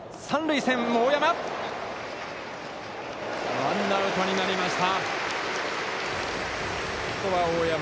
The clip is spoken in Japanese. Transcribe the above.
ワンアウトになりました。